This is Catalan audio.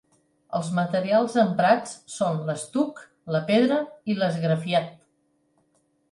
Els materials emprats són l'estuc, la pedra i l'esgrafiat.